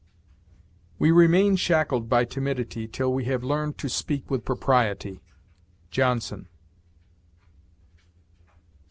We remain shackled by timidity till we have learned to speak with propriety. JOHNSON.